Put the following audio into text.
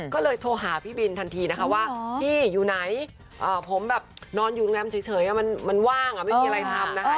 ก็เลยโทรหาพี่บินทันทีนะคะว่าพี่อยู่ไหนผมแบบนอนอยู่แรมเฉยมันว่างไม่มีอะไรทำนะคะ